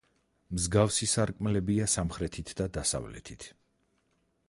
მსგავსი სარკმლებია სამხრეთით და დასავლეთით.